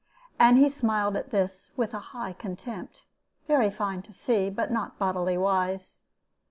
And he smiled at this, with a high contempt, very fine to see, but not bodily wise.